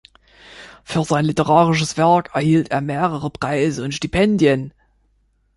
Für sein literarisches Werk erhielt er mehrere Preise und Stipendien.